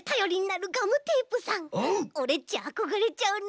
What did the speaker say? オレっちあこがれちゃうな。